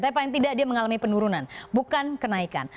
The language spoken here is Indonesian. tapi paling tidak dia mengalami penurunan bukan kenaikan